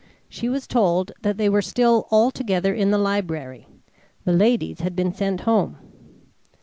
She was told that they were still all together in the library; the ladies had been sent home.